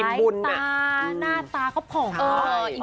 สายตาหน้าตาก็ผ่อนค่ะ